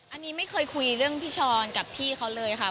อันนี้ไม่เคยคุยเรื่องพี่ช้อนกับพี่เขาเลยค่ะ